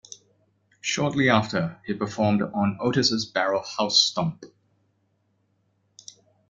Shortly after he performed on Otis's Barrel House Stomp.